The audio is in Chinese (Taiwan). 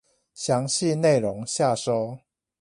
詳細內容下收